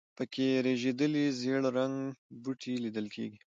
په کې رژېدلي زېړ رنګه بوټي لیدل کېږي.